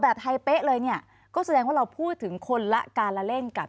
ไทยเป๊ะเลยเนี่ยก็แสดงว่าเราพูดถึงคนละการละเล่นกับ